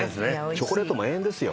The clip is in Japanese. チョコレートも永遠ですよ